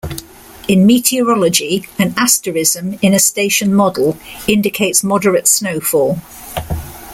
In meteorology, an asterism in a station model indicates moderate snowfall.